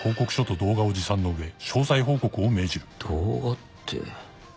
動画って。